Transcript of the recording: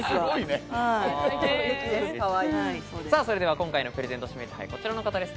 それでは今回のプレゼント指名手配、こちらの方です。